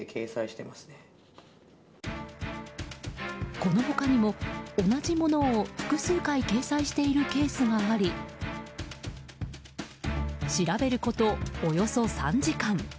この他にも、同じものを複数回掲載しているケースがあり調べることおよそ３時間。